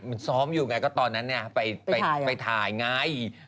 มันซ้อมอยู่ไงก็ตอนนั้นเนี่ยไปถ่ายไง